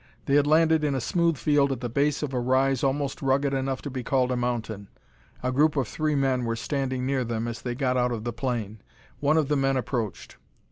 They had landed in a smooth field at the base of a rise almost rugged enough to be called a mountain. A group of three men were standing near them as they got out of the plane. One of the men approached.